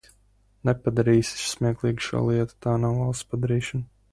Nepadarīsis smieklīgu šo lietu, tā nav valsts padarīšana!